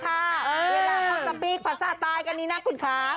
เวลาพ้นกับตี้กฟ้านทราต้ายกันนี้นะคุณคะ